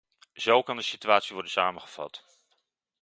Zo kan de situatie worden samengevat.